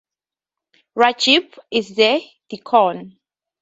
Rajib is the deacon.